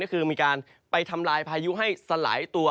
ก็คือมีการไปทำลายพายุให้สลายตัว